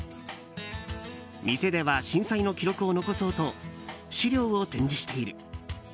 店では震災の記録を残そうと資料を展示している。